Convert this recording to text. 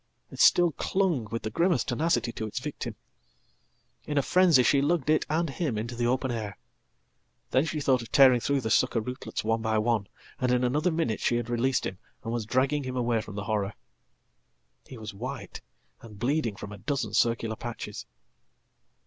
It still clung with the grimmest tenacity to its victim. In afrenzy, she lugged it and him into the open air. Then she thought of tearing through the sucker rootlets one by one, and inanother minute she had released him and was dragging him away from thehorror. He was white and bleeding from a dozen circular patches.